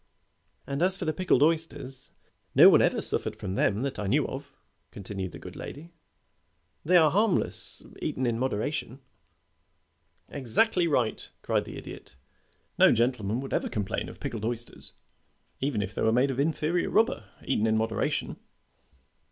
"And as for the pickled oysters, no one ever suffered from them that I knew of," continued the good lady. "They are harmless eaten in moderation." [Illustration: "'I FELT AS IF I HAD SWALLOWED AS OVERSHOE'"] "Exactly right," cried the Idiot. "No gentleman would ever complain of pickled oysters, even if they were made of inferior rubber, eaten in moderation.